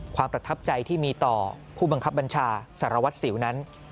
ประทับใจที่มีต่อผู้บังคับบัญชาสารวัตรสิวนั้น